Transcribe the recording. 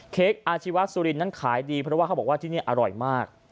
อาชีวะสุรินนั้นขายดีเพราะว่าเขาบอกว่าที่นี่อร่อยมาก